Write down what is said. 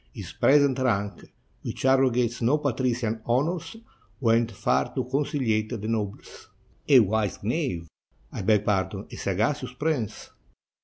His present rank, which arrogates no patrician honors, went far to conciHate the nobles." "A wise knave! — I beg pardon, a sagacious prince!